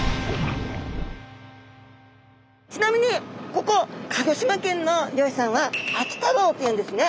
ちなみにここ鹿児島県の漁師さんは秋太郎と言うんですね。